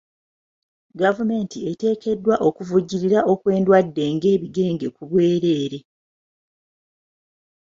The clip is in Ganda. Gavumenti eteekeddwa okuvujjirira okw'endwadde ng'ebigenge ku bwereere.